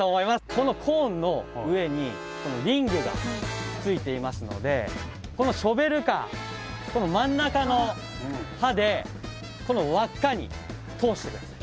このコーンの上にリングがついていますのでこのショベルカーこの真ん中の歯でこの輪っかに通して下さい。